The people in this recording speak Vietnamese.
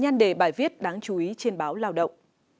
nhân đề bài viết đáng chú ý trên báo lao động